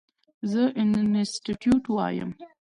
زه انسټيټيوټ وایم.